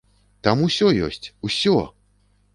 Там усё ёсць, усё!